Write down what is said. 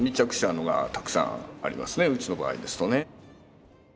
うちの場合ですとね。